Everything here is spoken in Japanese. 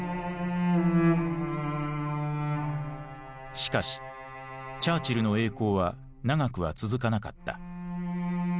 しかしチャーチルの栄光は長くは続かなかった。